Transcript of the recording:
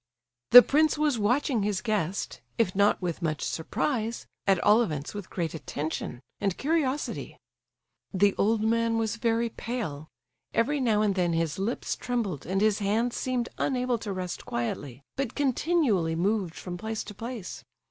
The prince was watching his guest, if not with much surprise, at all events with great attention and curiosity. The old man was very pale; every now and then his lips trembled, and his hands seemed unable to rest quietly, but continually moved from place to place.